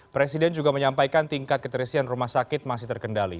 presiden juga menyampaikan tingkat keterisian rumah sakit masih terkendali